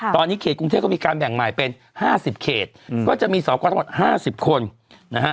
ตอนนี้เขตกรุงเทพก็มีการแบ่งใหม่เป็น๕๐เขตก็จะมีสอกรทั้งหมด๕๐คนนะฮะ